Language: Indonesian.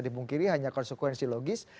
dipungkiri hanya konsekuensi logis